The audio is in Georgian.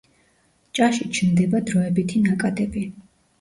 ჭაში ჩნდება დროებითი ნაკადები.